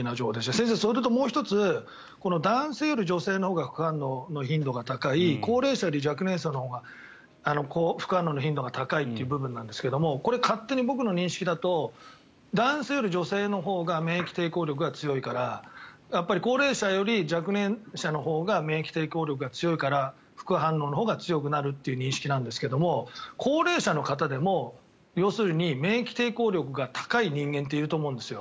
先生、それともう１つ男性より女性のほうが副反応の頻度が高い高齢者より若年層のほうが副反応の頻度が高いという部分ですがこれ、勝手に僕の認識だと男性より女性のほうが免疫抵抗力が強いからやっぱり高齢者より若年者のほうが免疫抵抗力が強いから副反応のほうが強くなるという認識なんですけど高齢者の方でも、要するに免疫抵抗力が高い人間っていると思うんですよ。